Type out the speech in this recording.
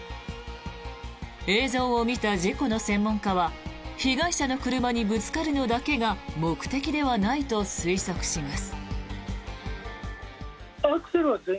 映像を見た事故の専門家は被害者の車にぶつかるのだけが目的ではないと推測します。